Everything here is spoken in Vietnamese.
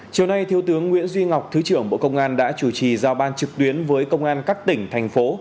chiều nay thiếu tướng nguyễn duy ngọc thứ trưởng bộ công an đã chủ trì giao ban trực tuyến với công an các tỉnh thành phố